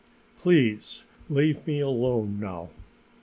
Please leave me alone now."